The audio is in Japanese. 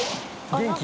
元気。